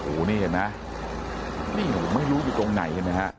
โอ้นี่เห็นไหมนี่โหไม่รู้อยู่ตรงไหนเห็นมั้ยฮะ